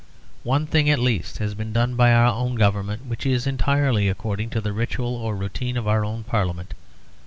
One thing at least has been done by our own Government, which is entirely according to the ritual or routine of our own Parliament.